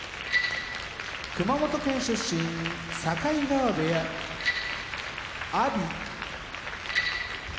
熊本県出身境川部屋阿炎埼玉県出身